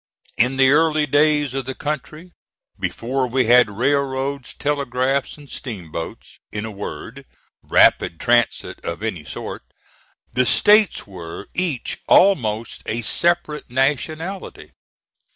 In the early days of the country, before we had railroads, telegraphs and steamboats in a word, rapid transit of any sort the States were each almost a separate nationality.